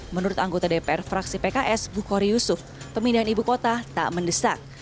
menurut anggota dpr fraksi pks bukhari yusuf pemindahan ibu kota tak mendesak